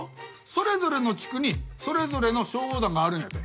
それぞれの地区にそれぞれの消防団があるんやて。